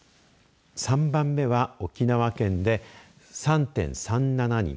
３番目は沖縄県で３．３７人。